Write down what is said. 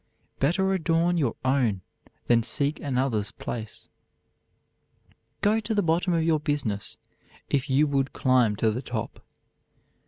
Better adorn your own than seek another's place. Go to the bottom of your business if you would climb to the top.